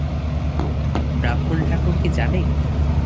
ব্রাহ্মণ-ঠাকুর কী জানে!